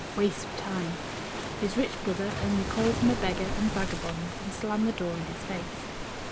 Waste of time! His rich brother only called him beggar and vagabond, and slammed the door in his face.